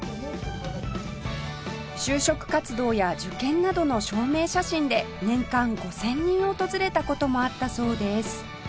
就職活動や受験などの証明写真で年間５０００人訪れた事もあったそうです